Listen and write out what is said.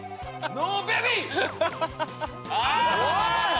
ノーベビー！